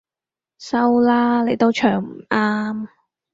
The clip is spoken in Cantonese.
收啦，你都唱唔啱